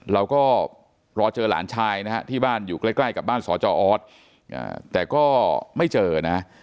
เราก็รอเจอหลานชายนะฮะที่บ้านอยู่ใกล้กับบ้านสจออสแต่ก็ไม่เจอนะฮะ